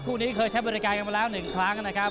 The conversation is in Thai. คู่นี้เคยใช้บริการกันมาแล้ว๑ครั้งนะครับ